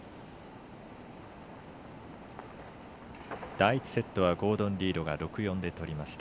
第１セットはゴードン・リードが６−４で取りました。